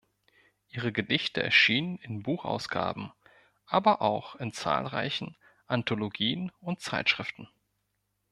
Ihre Gedichte erschienen in Buchausgaben, aber auch in zahlreichen Anthologien und Zeitschriften.